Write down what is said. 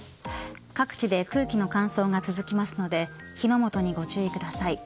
各地で空気の乾燥が続きますので火の元にご注意ください。